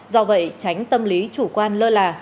do vậy tránh tâm lý chủ quan lơ là